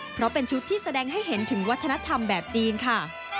เพราะเป็นชุดที่แสดงให้เห็นถึงวัฒนธรรมแบบจีนค่ะ